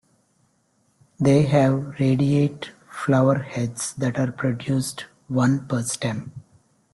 They have radiate flower heads that are produced one per stem.